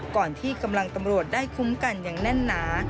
ก่อนที่กำลังตำรวจได้คุ้มกันอย่างแน่นหนา